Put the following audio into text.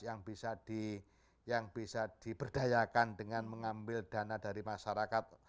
yang bisa diberdayakan dengan mengambil dana dari masyarakat